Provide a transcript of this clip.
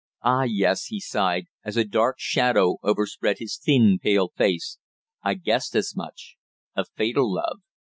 "Ah, yes," he sighed, as a dark shadow overspread his thin, pale face, "I guessed as much a fatal love.